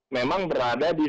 memang berada di sekitar